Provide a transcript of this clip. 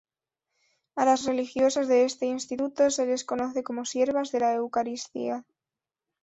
A las religiosas de este instituto se les conoce como Siervas de la Eucaristía.